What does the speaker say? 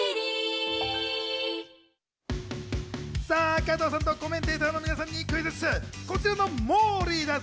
加藤さんとコメンテーターの皆さんにクイズッス。